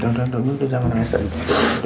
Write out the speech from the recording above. jangan jangan tunggu dulu jangan nangis lagi